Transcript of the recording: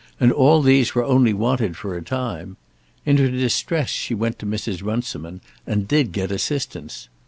And all these were only wanted for a time. In her distress she went to Mrs. Runciman, and did get assistance.